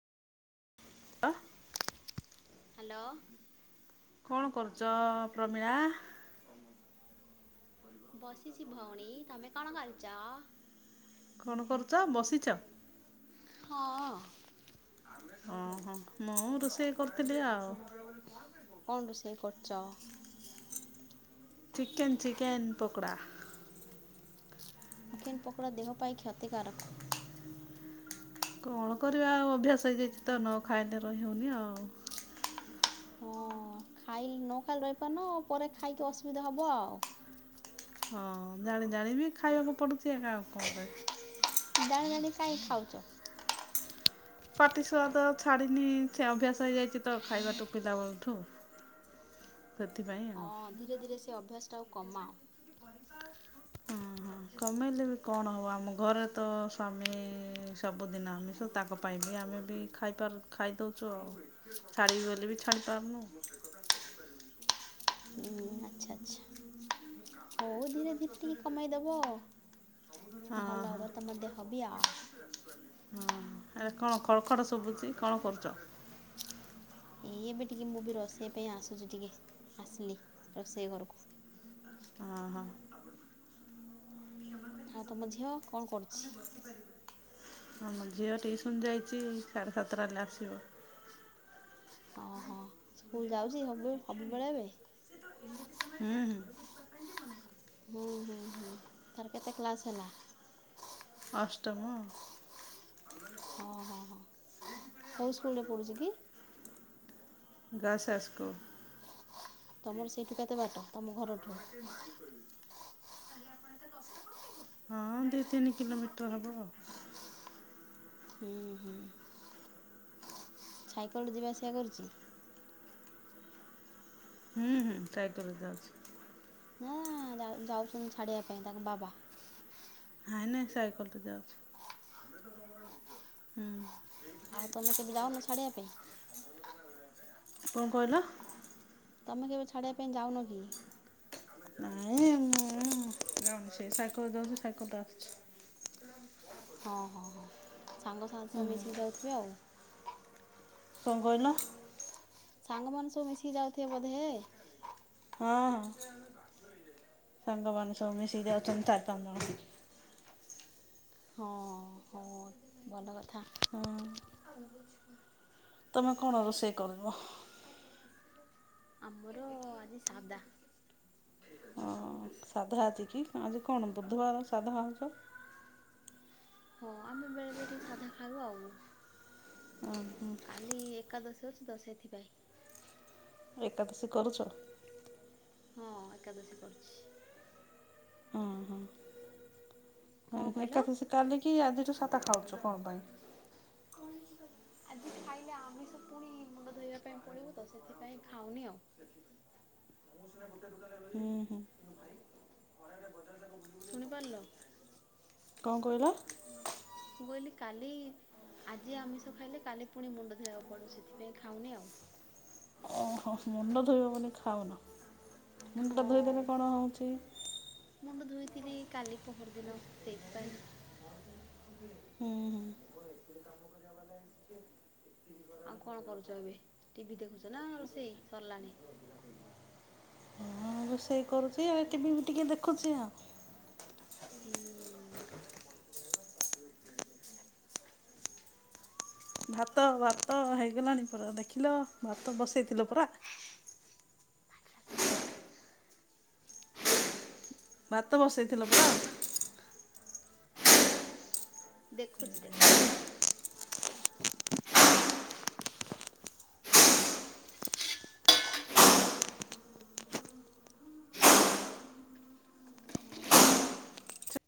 ଆ hello. କଣ କରୁଚ ପ୍ରମିଳା? ବସିଚି ଭଉଣୀ ତମେ କଣ କରିଚ? କଣ କରୁଚ ବସିଚ? ହଁ। ଓଁ ହଁ ମୁଁ ରୋଷେଇ କରୁଥିଲି ଆଉ। କଣ ରୋଷେଇ କରୁଚ? Chicken chicken pakora. Chicken pakora ଦେହ ପାଇଁ କ୍ଷତିକାରକ। କଣ କରିବା ଆଉ ଅଭ୍ୟାସ ହେଇଯାଇଚି ତ ନ ଖାଇଲେ ରହିହଉନି ଆଉ। ହଁ ଖାଇଲ୍ ନ ଖାଇଲେ ରହିପାରୁନ ପରେ ଖାଇକି ଅସୁବିଧା ହେବ ଆଉ। ହଁ ଜାଣି ଜାଣିବି ଖାଇବାକୁ ପଡୁଚି ଆକା ଆଉ କଣ କଇବା? ଜାଣି ଜାଣି କାଇଁ ଖାଉଚ? ପାଟି ସୂଆଦ ଛାଡିିନି ସେ ଅଭ୍ୟାସ ହେଇଯାଇଚି ତ ଖାଇବାଠୁ ପିଲାବେଳଠୁ। ସେଥିପାଇଁ ଆଉ। ହଁ ଧୀରେ ଧୀରେ ସେ ଅଭ୍ୟାସଟାକୁ କମାଅ। ଓଁ ହଁ। କମେଇଲେ ବି କଣ ହବ, ଆମ ଘରେ ତ ସ୍ୱାମୀ ସବୁଦିନ ଆମିଷ ତାଙ୍କ ପାଇଁ ବି ଆମେ ବି ଖାଇପାରୁ ଖାଇ ଦଉଚୁ ଆଉ। ଛାଡ଼ିବି ଗଲେ ବି ଛାଡ଼ି ପାରୁନୁ। ଉଁ ଆଚ୍ଛା ଆଚ୍ଛା। ରେ ଧିରେ ଧିରେ ଟିକେ କମାଇଦେବ। ହଁ ହଁ। ବି ଆଉ ହଁ ଆରେ କଣ ଖଡ ଖଡ ଶୁଭୁଚି କଣ କରୁଚ? ଏ ଏବେ ଟିକେ ମୁଁ ବି ରୋଷେଇ ପାଇଁ ଆସୁଚି ଟିକେ ଆସିଲି ରୋଷେଇ ଘରକୁ। ହଁ ହଁ। ଆଉ ତମ ଝିଅ କଣ କରୁଚି? ଆମ ଝିଅ ଟିଉସନ ଯାଇଚି ସାଢ଼େ ସାତଟା ହେଲେ ଆସିବ। ଓହୋ ସ୍କୁଲ ଯାଉଚି ହବୁ ସବୁବେଳେ ଏବେ? ହୁଁ ହୁଁ। ହୁଁ ହୁଁ ହୁଁ ତାର କେତେ କ୍ଲାସ ହେଲା? ଅଷ୍ଟମ। ଓଁ ହୋ ହୋ କୋଉ ସ୍କୁଲ ରେ ପଢୁଚି କି? ଗା ଶା ସ୍କୁଲ୍। ତମର ସେଇଠୁ କେତେ ବାଟ ତମ ଘରଠୁ? [inaudible] ହଁ ଦି ତିନି କିଲୋମିଟର ହବ। ହୁଁ ହୁଁ। ସାଇକେଲ୍ ରେ ଯିବା ଆସିବା କରୁଚି? ହୁଁ ହୁଁ ସାଇକଲ୍ ରେ ଯାଉଚି। ନାଆଁ ଯାଉ-ଯାଉଛନ୍ତି ଛାଡିବା ପାଇଁ ତାଙ୍କ ବାବା। ନାଇଁ ନାଇଁ ସାଇକେଲ୍ ରେ ଯାଉଛି ହୁଁ। ଆଉ ତମେ କେବେ ଯାଉନ ଛାଡିବା ପାଇଁ। କଣ କହିଲ? ତମେ କେବେ ଛାଡ଼ିବା ପାଇଁ ଯାଉନ କି? ନାଇଁ ମୁଁ ଯାଉନି ସେ ସାଇକଲ୍ ରେ ଯାଉଛି ସାଇକଲ୍ ରେ ଆସୁଛି। ହଁ ହଁ ହଁ ସାଙ୍ଗ ସାଙ୍ଗ ସହ ମିଶିକି ହୁଁ ଯାଉଥିବେ ଆଉ। କଣ କହିଲ? ସାଙ୍ଗ ମାନେ ସବୁ ମିଶିକି ଯାଉଥିବେ ବୋଧେ ଏ। ହଁ ହଁ ସାଙ୍ଗମାନେ ସବୁ ମିଶିକି ଯାଉଛନ୍ତି ଚାରି ପାଞ୍ଚ ଜଣ। ହଁ ହଁ ଭଲ କଥା। ହଁ ତମେ କଣ ରୋଷେଇ କରିବ ଆମର ଆଜି ସାଦା। ହଁ ସାଧା ଆଜି କି ଆଜି କଣ ବୁଧବାର ସାଧା ହାଉଚ? ହଁ ଆମେ ବେଳେ ବେଳେ ଟିକେ ସାଧା ଖାଇବ ଆଉ। ଅ କାଲି ଏକାଦଶୀ ଅଛି ତ ସେଥିପାଇଁ। ଏକାଦଶୀ କରୁଚ? ହଁ ଏକାଦଶୀ କରୁଛି। ଏ କଣ କହିଲ? ଏକାଦଶୀ କାଲିିକି ଆଜିଠୁ ସାତା ଖାଉଚୁ କଣ ପାଇଁ? ଆଜି ଖାଇଲେ ଆମମି ଫୁଣି ମୁଣ୍ଡ ଧୋଇବା ପାଇଁ ପଡିବ ତ ସେଥିପାଇଁ ଖାଉନି ଆଉ। ହୁଁ ହୁଁ। ଶୁଣି ପାରିଲ? କଣ କହିଲ? ମୁଁ କହିଲି କାଲି ଆଜି ଆମିଷ ଖାଇଲେ କାଲି ଫୁଣି ମୁଣ୍ଡ ଧୋଇବାକୁ ପଡ଼ୁ ସେଥିପାଇଁ ଖାଉନି ଆଉ। ହଁ ମୁଣ୍ଡ ଧୋଇବ ବୋଲି ଖାଉନ ମୁଣ୍ଡଟା ହଁ ଧୋଇଦେଲେ କଣ ହୋଉଚି। ମୁଣ୍ଡ ଧୋଇଥିଲି କାଲି ପହରଦିନ ସେଇଥିପାଇଁ ହୁଁ ହୁଁ। ଆଉ କଣ କରୁଚ ଏବେ ଟିଭି ଦେଖୁଛ ନା ରୋଷେଇ ସରିଲାଣି? ହଁ ରୋଷେଇ କରୁଚି ଆଉ ଟିଭି ବି ଟିକେ ଦେଖୁଚି ଆଉ। ହୁଁ। ଭାତ ଭାତ ହେଇଗଲାଣି ପରା ଦେଖିଲ ଭାତ ବସେଇଥିଲ ପରା। ଭାତ ବସେଇଥିଲ ପରା? ଦେଖୁଚି ଦେଖୁଚି।